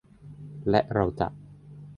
และเราจะ